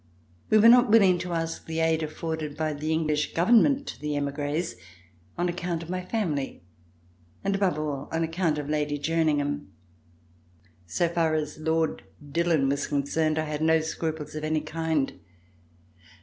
We were not willing to ask the aid accorded by the English government to the emigres, on account of my family, and above all, on account of Lady Jerningham. So far as Lord Dillon was concerned, I had no scruples of any kind.